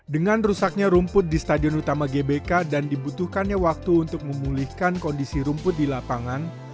dengan rusaknya rumput di stadion utama gbk dan dibutuhkannya waktu untuk memulihkan kondisi rumput di lapangan